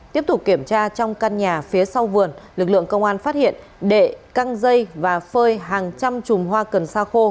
tiếp tục kiểm tra trong căn nhà phía sau vườn lực lượng công an phát hiện đệ căng dây và phơi hàng trăm chùm hoa cần sa khô